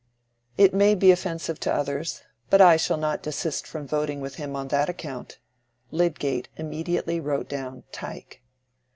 "It may be offensive to others. But I shall not desist from voting with him on that account." Lydgate immediately wrote down "Tyke."